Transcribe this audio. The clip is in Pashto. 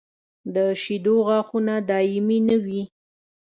د شېدو غاښونه دایمي نه وي.